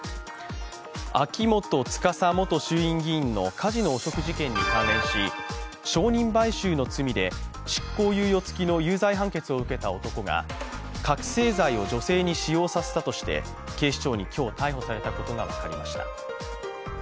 秋元司元衆院議員のカジノ汚職事件に関連し証人買収の罪で執行猶予付きの有罪判決を受けた男が覚醒剤を女性に使用させたとして警視庁に今日、逮捕されたことが分かりました。